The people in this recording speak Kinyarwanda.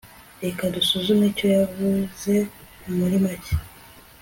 reka dusuzume icyo yavuze muri make